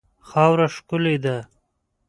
خاوره ښکلې ده.